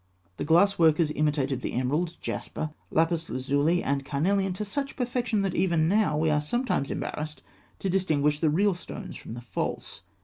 The glass workers imitated the emerald, jasper, lapis lazuli, and carnelian to such perfection that even now we are sometimes embarrassed to distinguish the real stones from the false.